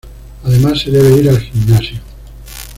Además se debe ir al gimnasio".